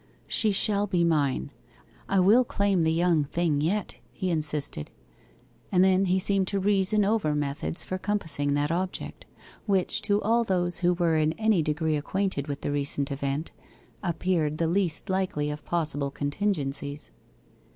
'She shall be mine; I will claim the young thing yet,' he insisted. And then he seemed to reason over methods for compassing that object, which, to all those who were in any degree acquainted with the recent event, appeared the least likely of possible contingencies.